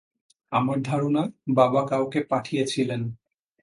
আমার ধারণা, বাবা কাউকে পাঠিয়েছিলেন।